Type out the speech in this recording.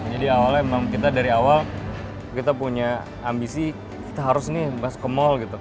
jadi awalnya memang kita dari awal kita punya ambisi kita harus nih pas ke mall gitu